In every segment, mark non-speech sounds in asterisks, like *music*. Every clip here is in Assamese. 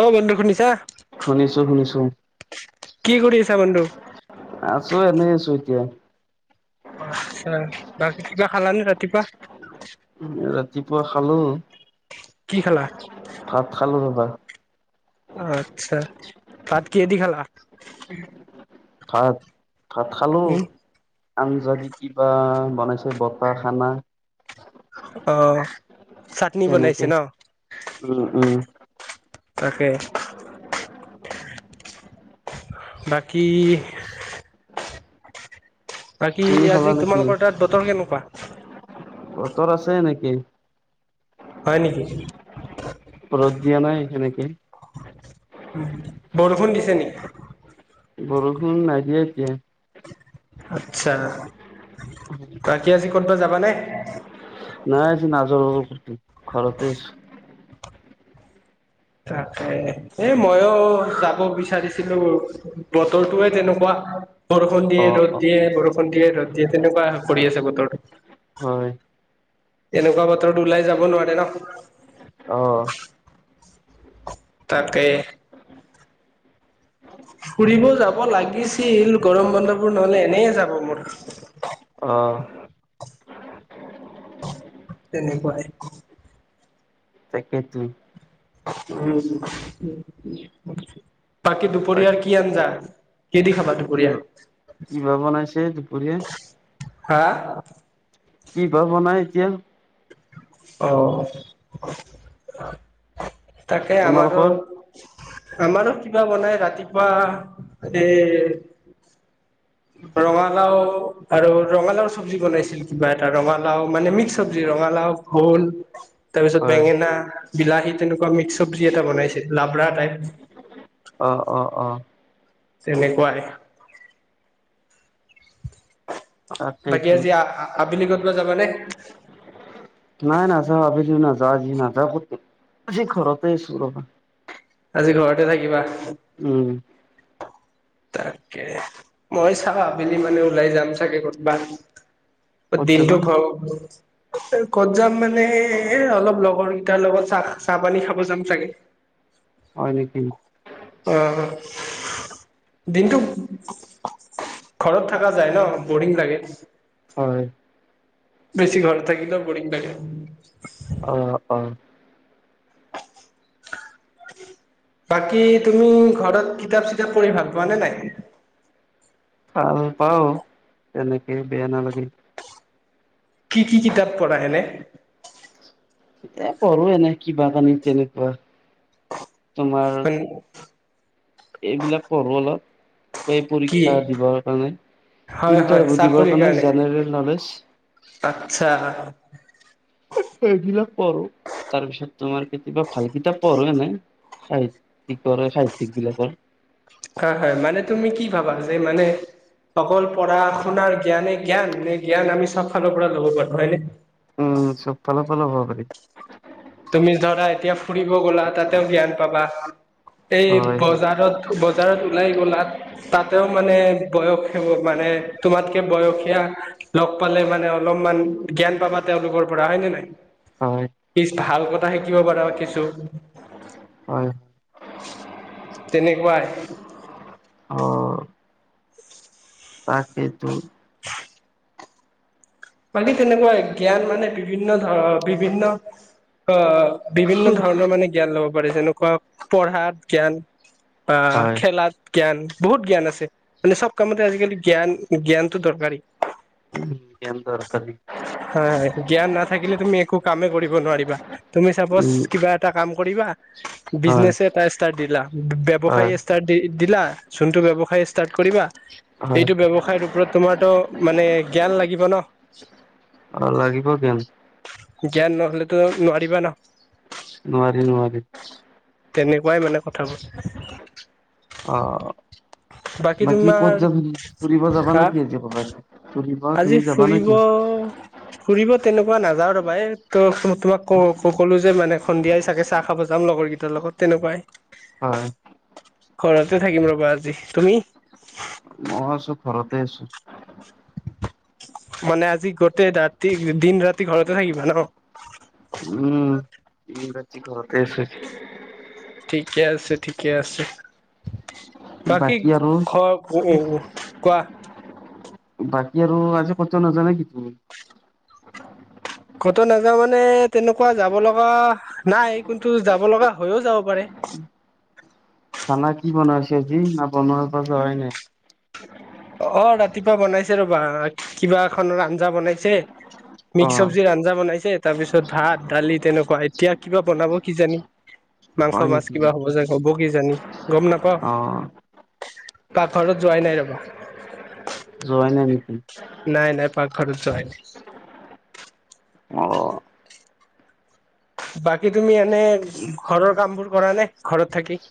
অঁ বন্ধু শুনিছা! শুনিছো, শুনিছো কি কৰি আছা বন্ধু? আছো এনে আছো এতিয়া আচ্ছা, বাকী কিবা খালানে ৰাতিপুৱা? ৰাতিপুৱা খালো। কি খালা? ভাত খালো ৰবা। আচ্ছা ভাত কিহে দি খালা? ভাত, ভাত খালো উম আঞ্জাত কিবা বনাইছে বতাহ খানা। অ চাটনি তেনেকে বনাইছে ন উম, উম তাকে বাকী বাকী তুমি খালা আজি নেকি তোমালোকৰ তাত বতৰ কেনেকুৱা? বতৰ আছে এনেকে হয় নেকি? ৰ'দ দিয়া নাই সেনেকে? উম, বৰষুণ দিছে নেকি? বৰষুণ নাই দিয়া এতিয়া। আচ্ছা। *unintelligible* বাকী আজি ক'ৰবাত যাবানে? নাই আজি নাযাওঁ ৰবা কতো ঘৰতে আছোঁ। তাকে এই মইয়ো যাব বিচাৰিছিলোঁ। বতৰটোয়ে যেনেকুৱা। বৰষুণ দিয়ে অ ৰ'দ অ দিয়ে, বৰষুণ দিয়ে ৰ'দ দিয়ে, সেনেকুৱা কৰি আছে বতৰটো। হয়। এনেকুৱা বতৰত ওলাই যাব নোৱাৰে ন'। অহ। তাকে। *unintelligible* ফুৰিবও যাব লাগিছিল। গৰম বন্ধবোৰ নহ'লে এনেইয়ে যাব মোৰ? অহ। তেনেকুৱাই। তাকেতো। উম। বাকী দুপৰীয়াৰ বাকী কি আঞ্জা, কিহেদি খাবা দুপৰীয়া? কিবা বনাইছে দুপৰীয়া। হা! কিবা ৱনাই এতিয়া। অহ। তাকে আমাৰো তোমালোকৰ আমাৰো কিবা বনাই ৰাতিপুৱা এ ৰঙালাউ আৰু ৰঙালাউ চব্জি বনাইছিল কিবা এটা, ৰঙালাউ মানে মিক্স চব্জি মানে ৰঙালাউ ভোল। তাৰপিছত হয় বেঙেনা, বিলাহী, তেনেকুৱা মিক্স চব্জি এটা বনাইছিল লাবৰা টাইপ। অহ', অহ', অহ'। তেনেকুৱাই। বাকী তাকেইতো আজি আ-আবেলি ক'তবা যাবানে? নাই নাযাওঁ, আবেলি নাযাওঁ। আজি নাযাওঁ কতো আজি ঘৰতে আছোঁ ৰবা। আজি ঘৰতে থাকিবা। উম। তাকে, মই চাওঁ আবেলি মানে ওলাই যাম চাগে ক'তবা। ক'ত দিনটো যাবা ঘৰ ক'ত যাম মানে, এ অলপ লগৰকেইটাৰ লগত চাহ-চাহ পানী খাব যাম চাগে। হয় নেকি? অহ। দিনতটো ঘৰত থকা যায় ন' বৰিং লাগে। হয়। বেছি ঘৰত থাকিলেও বৰিং লাগে। অহ', অহ'। বাকী তুমি ঘৰত, কিতাপ-চিতাপ পঢ়ি ভাল পোৱানে নাই? ভাল পাওঁ তেনেকে, বেয়া নালাগে। কি কি কিতাপ পঢ়া এনেই? এ পঢ়ো এনেই কিবা-কানি তেনেকুৱা। তোমাৰ *unintelligible* এইবিলাক পঢ়োঁ অলপ, কি পৰীক্ষা দিবাৰ কাৰণে। হয় হয় ইণ্টাৰভিউ দিবৰ চাকৰিৰ কাৰণে জেনেৰেল নলেজ। আচ্ছা, এইবিলাক পঢ়ো, তাৰ পিছত তোমাৰ কেতিয়াবা ভাল কিতাপ পঢ়ো এনে। সাহিত্যিকৰ এই সাহিত্যিক বিলাকৰ। হয়-হয়, মানে তুমি কি ভাবা যে মানে অকল পঢ়া শুনাৰ জ্ঞানে জ্ঞান নে জ্ঞান আমি চব ফালৰ পৰা ল'ব পাৰো। হয় নে? উম, চব ফালৰ লব পাৰি। তুমি ধৰা এতিয়া ফুৰিব গ'লা তাতেও জ্ঞান পাবা, এই হয় হয় বজাৰত বজাৰত ওলাই গ'লাত তাতেও মানে বয়স সে মানে তোমাতকে বয়সীয়া লগ পালে, মানে অলপমান জ্ঞান পাবা তেওঁলোকৰ পৰা হয় নে নাই। হয়। কি ভাল কথা শিকিব পাৰা কিছু। হয় হয়। তেনেকুৱাই। তাকেতো। বাকী তেনেকুৱা জ্ঞান মানে বিভিন্ন ধৰ বিভিন্ন, অ, বিভিন্ন ধৰণৰ মানে জ্ঞান ল'ব পাৰে। যেনেকুৱা পঢ়াত জ্ঞান, বা হয় খেলাাত, জ্ঞান বহুত জ্ঞান আছে, মানে চব কামতে আজিকালি জ্ঞান-জ্ঞানতো দৰকাৰী। উম, জ্ঞান দৰকাৰী। হয়-হয়, জ্ঞান নাথাকিলে তুমি একো কামে কৰিব নোৱাৰিবা। তুমি চাপজ উম কিবা এটা কাম কৰিবা হয় বিজনেচ এটাই ষ্টাৰ্ট দিলা, হয় ব্যৱসায় ষ্টাৰ্ট দি দিলা, যোনটো ব্যৱসায় ষ্টাৰ্ট কৰিবা হয় এইটো ব্যৱসায়ৰ ওপৰত তোমাৰতো মানে জ্ঞান লাগিব ন। অ, লাগিব জ্ঞান। জ্ঞান নহলেতো নোৱাৰিবা ন। নোৱাৰি-নোৱাৰি। তেনেকুৱাই মানে কথাবোৰ। অ, বাকী ক'ত যাবি ফুৰিব যাবা নে হা কি আজি কৰবাত? ফুৰিব আজি তুমি যাবা ফুৰিব নেকি ফুৰিব তেনেকুৱা নাযাওঁ ৰবাই ত তোমাক ক ক'লো যে মানে সন্ধিয়াই চাগে চাহ খাব যাম, লগৰ কেইটা কেইটাৰ লগত তেনেকুৱাই। হয় ঘৰতে থাকিম ৰ'বা আজি, তুমি? মই আছো, ঘৰতে আছো। মানে আজি গোতেই ৰাতি দিন ৰাতি ঘৰতে থাকিবা ন? উম, দিন ৰাতি ঘৰতে আছোঁ। ঠিকে আছে, ঠিকে আছে। বাকী ঘ উ কোৱা? বাকী আৰু আজি ক'তো নাজা নে কি তুমি? ক'তো নাযাওঁ মানে তেনেকুৱা যাব লগা নাই, কিন্তু যাব লগা হৈও যাব পাৰে? খানা কি বনাইছেজি না বনোৱাৰ পাছ যাৱাই নাই? অ, ৰাতিপুৱা বনাইছে ৰবা কিবা এখনৰ আঞ্জা বনাইছে? অ মিক্স চব্জিৰ আঞ্জা বনাইছে তাৰ পিছত ভাত দালি তেনেকুৱা এতিয়া কিবা বনাব কিজানি? *inaudible* মাংস মাছ নেকি কিবা হ'ব যে হ'ব কি জানি গম নাপাওঁ। অ পাকঘৰত যোৱাই নাই ৰ'বা। যোৱাই নাই নেকি? নাই, নাই পাকঘৰত যোৱাই নাই। অ', বাকী তুমি এনে ঘৰৰ কামবোৰ কৰা নে, ঘৰত থাকি?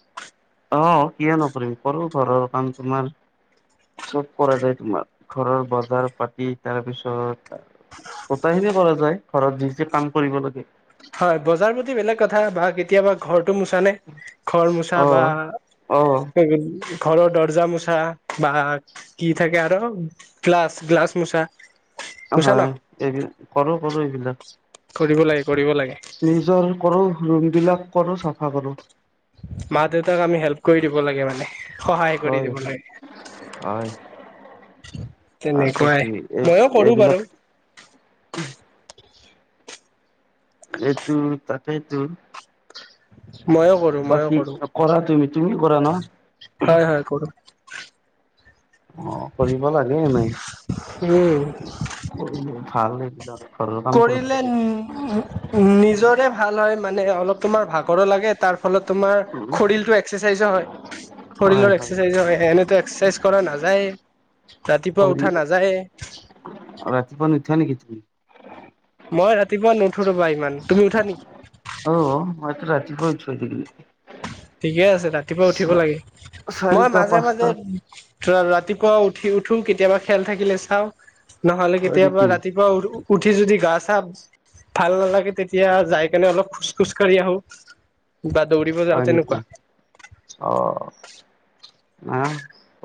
অ', কিয় নকৰিম, কৰোঁ ঘৰৰ কাম তোমাৰ চব কৰা যায় তোমাৰ ঘৰৰ বজাৰ পাতি তাৰপিছত গোটেইখিনি কৰা যায় ঘৰত যি, যি কাম কৰিব লাগে। হয়, বজাৰ প্ৰতি বেলেগ কথা বা কেতিয়াবা ঘৰটো মোছা নে ঘৰ মোচা বা অ', অ'। ঘৰৰ দৰ্জা মোচা বা কি থাকে আৰু গ্লাছ, গ্লাছ মোচা? মোচা ন হয়, এইবিলাক কৰোঁ, কৰোঁ এইবিলাক। কৰিব লাগে, কৰিব লাগে। নিজৰ কৰোঁ ৰুমবিলাক কৰোঁ চাফা কৰোঁ। মা দেউতাক আমি হেল্প কৰি দিব লাগে মানে। সহায় কৰি হয় দিব হয় লাগে। হয় তাকেইতো তেনেকুৱাই, এই মইও কৰোঁ বাৰু। এইবিলাক এইটো তাকেইটো। ময়ো কৰো ময়ো বাকী কৰো নকৰা তুমি, তুমি কৰা ন? হয়, হয়, কৰোঁ। অ', কৰিব লাগে এনেই। উম কৰিলে ভাল এইবিলাক, ঘৰৰ কাম কৰিব লাগে। উম, নিজৰে ভাল হয়, মানে অলপ তোমাৰ ভাগৰো লাগে তাৰ ফলত তোমাৰ হয় খৰীৰটো এক্সাৰচাইজো হয়, শৰীৰৰ এক্সাৰচাইজো হয়, এনেটো এক্সাৰচাইজো কৰা নাযা যায়ে, ৰাতিপুৱা উঠা নাযায়ে। অ', ৰাতিপুৱা নুঠা নেকি তুমি? মই ৰাতিপুৱা নুঠো ৰ'বা ইমান। তুমি উঠা নেকি? অ', মইটো ৰাতিপুৱাই উঠো এইকেইদিন। ঠিকে আছে, ৰাতিপুৱা উঠিব লাগে। মই চাৰিটা মাজে, মাজে পাঁচটাত ৰাতিপুৱা উঠি উঠো, কেতিয়াবা খেল থাকিলে চাওঁ নহ'লে হয় কেতিয়াবা নেকি? ৰাতি পুৱা উ-উঠি যদি গা চা ভাল নালাগে, তেতিয়া যাই কেনে অলপ খোজ, খোজ কাঢ়ি আহোঁ। হয় নেকি? অ'। আ,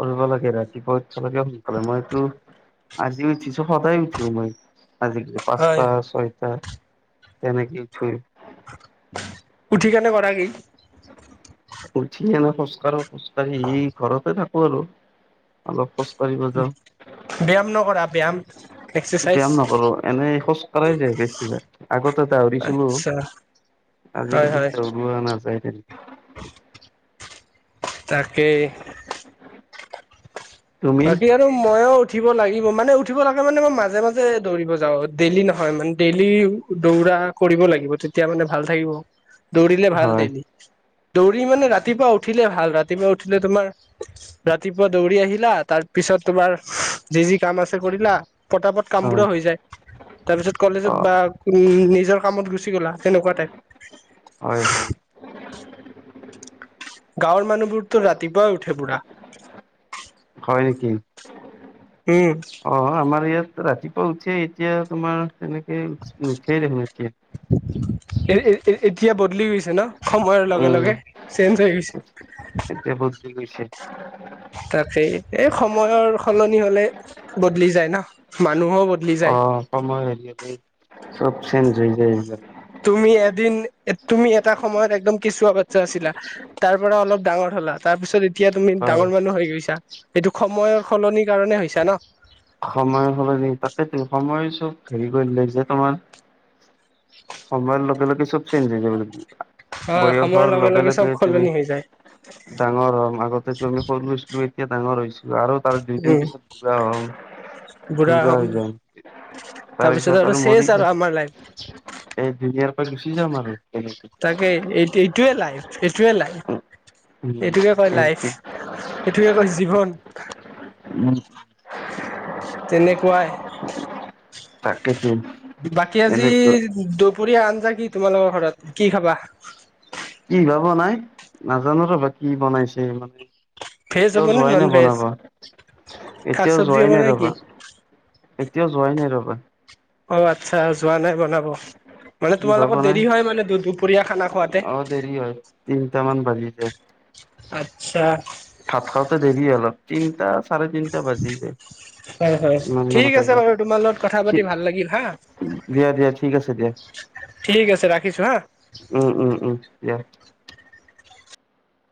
ফুৰিব লাগে ৰাতিপুৱা *unintelligible* লাগে সোনকালে মইতো আজি উঠিছোঁ, সদায়ে উঠো মই। আজিকালি পাঁচটা হয় ছয়টা তেনেকেই উঠোয়েই। উঠি কেনে কৰা কি? উঠি কেনে খোজকাঢ়ো, খোজকাাঢ়ি আহি ঘৰতে থাকোঁ আৰু অলপ খোজকাঢ়িব যাওঁ। ব্যায়াম নকৰা, ব্যায়াম? এক্সাৰচাইজ ব্যায়াম নকৰোঁ, এনেই খোজকাঢ়াই যাই বেছিভাগ, আগতে দাওৰিছিলোঁ। আচ্ছা হয় আজিকালি হয় দৌৰা নাযায় তেনেকে। *inaudible* তাকেই। তুমি বাকী আ ৰু ময়ো উঠিব লাগিব মানে, উঠিব লাগে মানে মই মাজে, মাজে দৌৰিব যাওঁ, ডেইলি নহয় মানে ডেইলি দৌৰা কৰিব লাগিব, তেতিয়া মানে ভাল থাকিব দৌৰিলে ভাল হয় দেই। দৌৰি মানে ৰাতিপুৱা উঠিলে ভাল, ৰাতিপুৱা উঠিলে তোমাৰ ৰাতিপুৱা দৌৰি আহিলা তাৰপিছত তোমাৰ যি, যি কাম আছে কৰিলা, পতাপট হয় কামবোৰো হৈ যায়। তাৰপিছত অ কলেজত বা নিজৰ কামত গুচি গ'লা তেনেকুৱা টাইপ। হয়, হয়। গাঁৱৰ মানুহবোৰতো ৰাতিপুৱাই উঠে পুৰা। হয়, কি? উম। অ', আমাৰ ইয়াত ৰাতিপুৱা উঠে এতিয়া তোমাৰ তেনেকে নুঠিয়েই দেখোন এতিয়া। এ-এ-এতিয়া বদলি গৈছে ন, সময়ৰ লগে, উম লগে চেঞ্জ হৈ গৈছে। এতিয়া বদলি গৈছে। তাকেই। এই সময়ৰ সলনি হ'লে বদলি যায় ন, মানুহো বদ অ', সময়ত আজিকালি চব চেঞ্জ হৈ যায় এইবিলাক। তুমি এদিন তুমি এটা সময়ত একদম কেঁচুৱা বাচ্ছা আছিলা। তাৰপৰা অলপ ডাঙৰ হ'লা তাৰপিছত এ এতিয়া তুমি হয় ডাঙৰ মানুহ হৈ গৈছা, সেইটো সময়ৰ সলনিৰ কাৰণে হৈছা ন! সময়ৰ সলনি তাতেতো সময় চব হেৰি কৰি লৈ যে তোমাৰ সময়ৰ লগে, লগে চব চেঞ্জ হৈ যাব লাগে। হয় সময়ৰ বয়সৰ লগে, চব লগে তুমি সলনি হৈ যায় ডাঙৰ হ'ম আগতেতো আমি সৰু আছিলোঁ এ এতিয়া ডাঙৰ হৈছোঁ আৰু তাৰ দুইদিন উম পিছত বুঢ়া হ'ম বুঢ়া হৈ যাম। তাৰপিছত আৰু মৰি যা আমাৰ লাইফ এই দুনীয়াৰ পৰা গুছি যাম আমাৰ তেনেকেই। তাকেই এইটো-এইটোয়ে লাইফ, এইটোৱে লাইফ। উম, এইটোকে কয় লাইফ, এইটোকে কয় জীৱন। উম। তেনেকুৱাই। তাকেটো। বাকী আজি দুপৰীয়া আঞ্জা কি তোমালোকৰ ঘৰত কি খাবা? কি বা বনাই, নাজানো ৰ'বা কি বনাইছে এইমানে। ভেজ হ'ব এতিয়াও নে যোৱাই নন নাই ভেজ বনাব, শাক এতিয়াও চবজি যোৱাই হ'ব নাই নে ৰ'বা। কি এতিয়াও যোৱাই নাই ৰ'বা। অ', আ আচ্ছা যোৱা নাই বনাব, মানে কি তোমাৰ বা লগত বনাই দেৰি হয়, মানে দু-দুপৰীয়া খানা খোৱাতে। ৰি হয়। তিনিটামান বাজি যায়। আটচ্ছা। ভাত খাওঁতে দেৰি অলপ, তিনটা চাৰে তিনটা বাজি যায়। হয়, হয়, ইমান মান ঠিক হৈ আছে যায় বাৰু তোমাৰ লগত কথা ঠিক পাতি ভাল লাগিল হা। দিয়া, দিয়া ঠিক আছে দিয়া। ঠিক আছে ৰাখিছোঁ হা। উম, উম, উম, দিয়া।